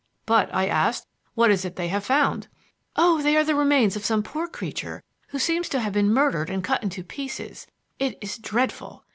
"But," I asked, "what is it they have found?" "Oh, they are the remains of some poor creature who seems to have been murdered and cut into pieces. It is dreadful.